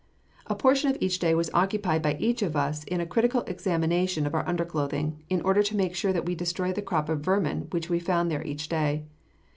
A portion of each day was occupied by each one of us in a critical examination of our underclothing, in order to make sure that we destroyed the crop of vermin which we found there each day.